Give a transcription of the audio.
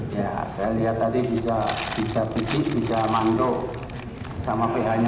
ya saya lihat tadi bisa fisik bisa manduk sama pihaknya